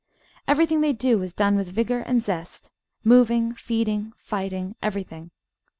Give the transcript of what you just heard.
Everything they do is done with vigour and zest — ^moving, feeding, fighting, everything.